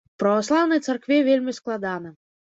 У праваслаўнай царкве вельмі складана.